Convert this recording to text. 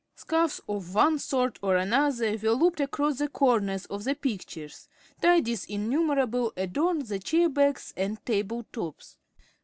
Scarfs of one sort or another were looped across the corners of the pictures, tidies innumerable adorned the chair backs and table tops.